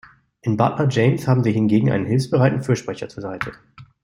In Butler James haben sie hingegen einen hilfsbereiten Fürsprecher zur Seite.